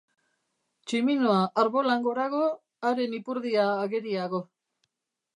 Tximinoa arbolan gorago, haren ipurdia ageriago.